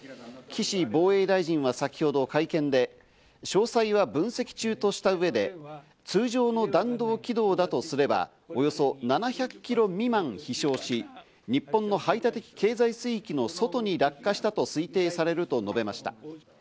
岸防衛大臣は先ほど会見で詳細は分析中とした上で通常の弾道軌道だとすれば、およそ７００ｋｍ未満飛翔し、日本の排他的経済水域の外に落下したと推定されると述べました。